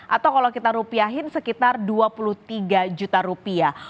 atau kalau kita rupiahin sekitar dua puluh tiga juta rupiah